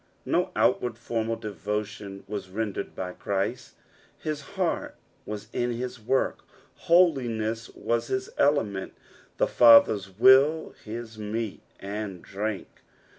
No outward, formal devotion was rendered by Christ ; his heart woe in his work, holiness was his element, the Father's will his meat and drink.